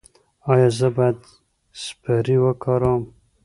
ایا زه باید سپری وکاروم؟